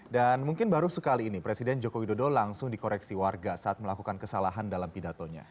dan mungkin baru sekali ini presiden joko widodo langsung dikoreksi warga saat melakukan kesalahan dalam pidatonya